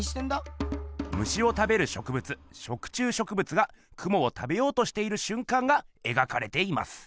虫を食べる植物食虫植物がクモを食べようとしているしゅんかんが描かれています。